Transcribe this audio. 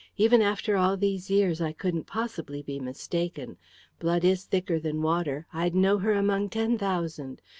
Even after all these years, I couldn't possibly be mistaken. Blood is thicker than water: I'd know her among ten thousand.